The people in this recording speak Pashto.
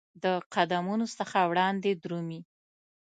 د قدمونو څخه وړاندي درومې